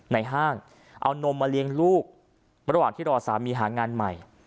ห้างเอานมมาเลี้ยงลูกระหว่างที่รอสามีหางานใหม่